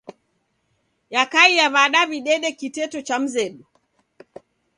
Yakaia w'ada w'idede kiteto cha kimzedu?